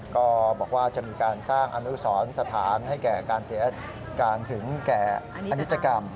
ก็บอกว่าจะมีการสร้างอนุสรสถานให้แก่การเสียการถึงแก่อนิจกรรม